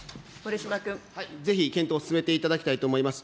ぜひ検討を進めていただきたいと思います。